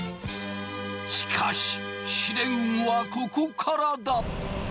しかし試練はここからだ。